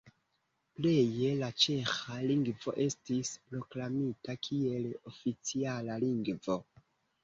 Pleje la ĉeĥa lingvo estis proklamita kiel oficiala lingvo.